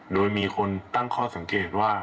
โดยมีคนตั้งข้อสังเกตว่า